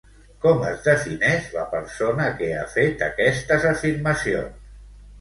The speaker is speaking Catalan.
Com es defineix la persona que ha fet aquestes afirmacions?